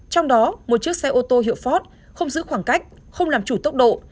trong đó một chiếc xe ô tô hiệu fort không giữ khoảng cách không làm chủ tốc độ